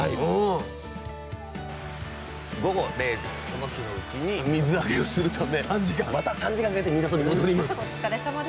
その日のうちに水揚げをするためまた３時間かけて港に戻ります。